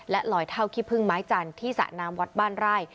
ลอยเท่าขี้พึ่งไม้จันทร์ที่สระน้ำวัดบ้านไร่